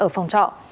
ở phòng trọ